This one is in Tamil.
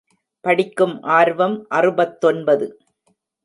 படிக்கும் ஆர்வம் அறுபத்தொன்பது.